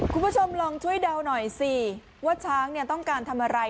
คุณผู้ชมลองช่วยเดาหน่อยสิว่าช้างต้องการทำอะไร